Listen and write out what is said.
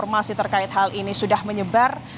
sari dewi di hotel sahir